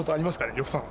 呂布さん。